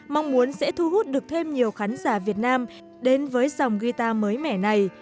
mong muốn sẽ thu hút được thêm nhiều khán giả việt nam đến với dòng guitar mới mẻ này